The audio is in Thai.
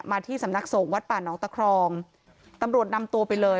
ที่สำนักสงฆ์วัดป่านองตะครองตำรวจนำตัวไปเลย